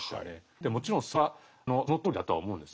でもちろんそれはそのとおりだとは思うんです。